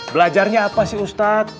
belajarnya apa sih ustadz